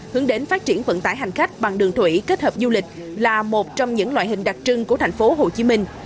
hướng đến phát triển vận tải hành khách bằng đường thủy kết hợp du lịch là một trong những loại hình đặc trưng của thành phố hồ chí minh